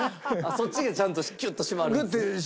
そっちがちゃんとキュッと締まるんですね。